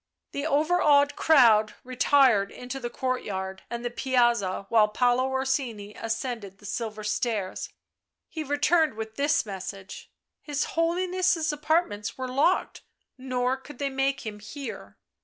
The overawed crowd retired into the courtyard and the Piazza while Paolo Orsini ascended the silver stairs. He returned with his message :" His Holiness's apartments were locked, nor could they make him hear."